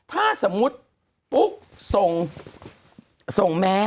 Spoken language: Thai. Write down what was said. คุณหนุ่มกัญชัยได้เล่าใหญ่ใจความไปสักส่วนใหญ่แล้ว